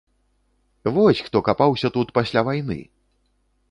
Вось хто капаўся тут пасля вайны!